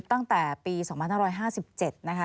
ตั้งแต่ปี๒๕๕๗นะคะ